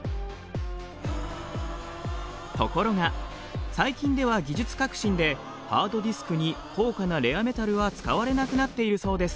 ところが最近では技術革新でハードディスクに高価なレアメタルは使われなくなっているそうです。